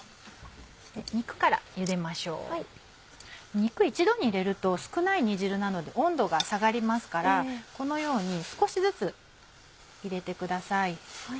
肉一度に入れると少ない煮汁なので温度が下がりますからこのように少しずつ入れてください。